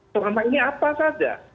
selama ini apa saja